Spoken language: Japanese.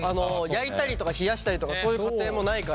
焼いたりとか冷やしたりとかそういう過程もないから。